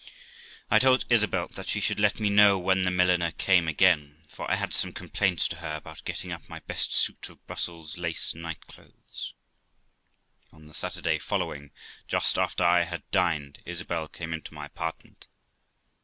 I told Isabel that the should let me know when the milliner came again, for I had some complaints to her about getting up my best suit of Brussels lace night clothes. On the Saturday following, just after I had dined, Isabel came into my apartment.